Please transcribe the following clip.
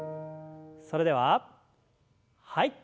それでははい。